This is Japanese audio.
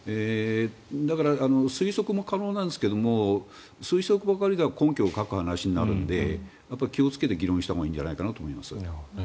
だから推測も可能なんですけれども推測ばかりでは根拠を欠く話になるので気をつけて議論したほうがいいんじゃないかと思います。